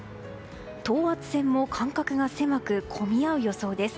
等圧線も間隔が狭く込み合う予想です。